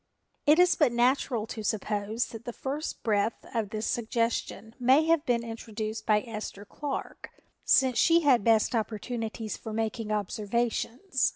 It is but natural to suppose that the first breath of this suggestion may have been introduced by Esther Clark, since she had best opportunities for making observations.